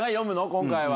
今回は。